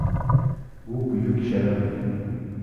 Bu — buyuk sharaf!